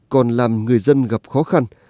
còn làm người dân gặp khó khăn